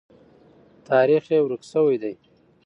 تاریخ یې ورک سوی دی.